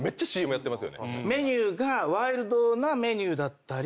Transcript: メニューがワイルドなメニューだったり。